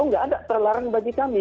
oh tidak ada terlarang bagi kami